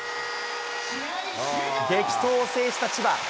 激闘を制した千葉。